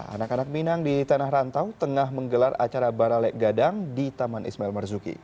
anak anak minang di tanah rantau tengah menggelar acara baralek gadang di taman ismail marzuki